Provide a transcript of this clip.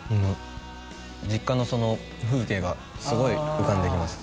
実家の風景がすごい浮かんできます